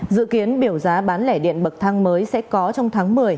dự kiến biểu giá bán lẻ điện bậc thang mới sẽ có trong tháng một mươi